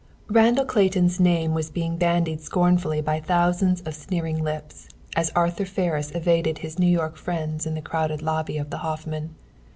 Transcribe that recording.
Randall Clayton's name was being bandied scornfully by thousands of sneering lips as Arthur Ferris evaded his New York friends in the crowded lobby of the Hoffman.